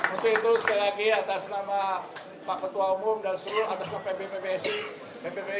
untuk itu sekali lagi atas nama pak ketua umum dan semua atas nama pbbc pbbi